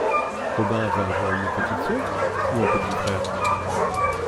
Robin va avoir une petite sœur? Ou un petit frère ?